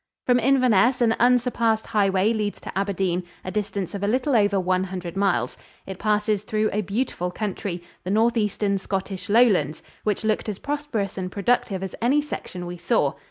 From Inverness an unsurpassed highway leads to Aberdeen, a distance of a little over one hundred miles. It passes through a beautiful country, the northeastern Scottish Lowlands, which looked as prosperous and productive as any section we saw.